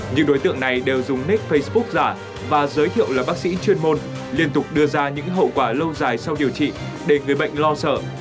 những đối tượng này đều dùng net facebook giả và giới thiệu là bác sĩ chuyên môn liên tục đưa ra những hậu quả lâu dài sau điều trị để người bệnh lo sợ